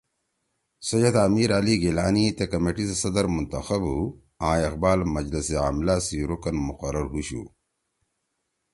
سید امیر علی گیلانی تے کمیٹی سی صدر منتخب ہُو آں اقبال مجلس عاملہ سی رکن مقرر ہُوشُو